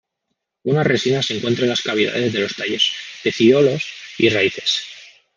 Una resina se encuentra en las cavidades de los tallos, pecíolos y raíces.